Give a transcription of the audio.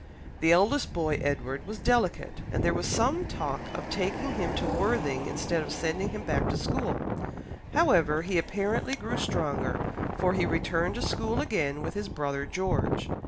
The eldest boy, Edward, was delicate, and there was some talk of taking him to Worthing instead of sending him back to school; however, he apparently grew stronger, for he returned to school again with his brother George.